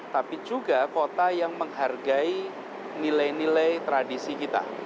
tapi juga kota yang menghargai nilai nilai tradisi kita